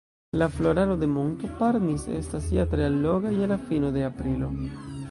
La floraro de monto Parnis estas ja tre alloga, je la fino de aprilo.